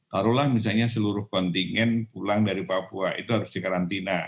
taruhlah misalnya seluruh kontingen pulang dari papua itu harus dikarantina